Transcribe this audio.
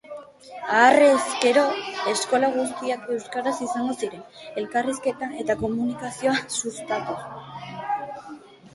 Harrezkero eskola guztiak euskaraz izango ziren, elkarrizketa eta komunikazioa sustatuz.